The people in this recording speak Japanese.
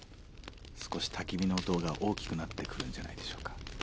少したき火の音が大きくなってくるんじゃないでしょうか。